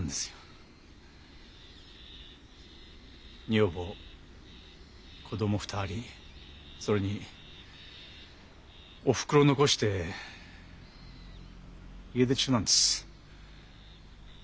女房子供２人それにおふくろ残して家出中なんです。